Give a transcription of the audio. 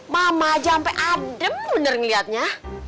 mama aja sampe adem bener ngeliatnya